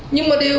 nhưng mà điều